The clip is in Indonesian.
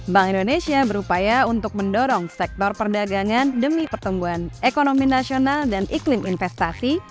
bank indonesia berupaya untuk mendorong sektor perdagangan demi pertumbuhan ekonomi nasional dan iklim investasi